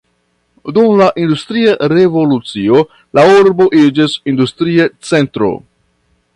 Dum la industria revolucio la urbo iĝis industria centro.